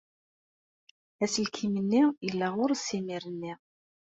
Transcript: Aselkim-nni yella ɣer-s imir-nni.